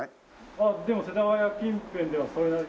あっでも世田谷近辺ではそれなりに。